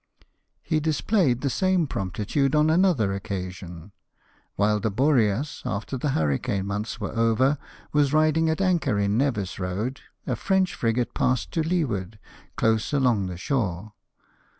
He displayed the same promptitude on another occasion. While the Boreas, after the hurricane months were over, was riding at anchor in Nevis Boad, a French frigate passed to leeward, close along shore.